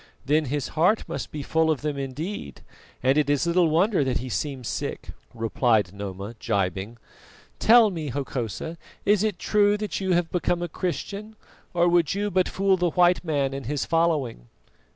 "Then his heart must be full of them indeed, and it is little wonder that he seems sick," replied Noma, gibing. "Tell me, Hokosa, is it true that you have become a Christian, or would you but fool the white man and his following?"